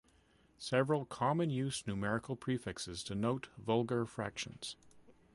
Several common-use numerical prefixes denote vulgar fractions.